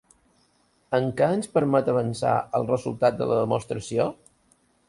En què ens permet avançar el resultat de la demostració?